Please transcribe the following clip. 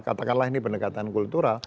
katakanlah ini pendekatan kultural